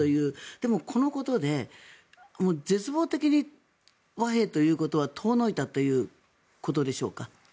でも、このことで絶望的に和平ということは遠のいたということでしょうか。